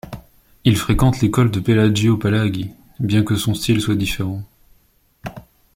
Il fréquente l'école de Pelagio Palagi, bien que son style soit différent.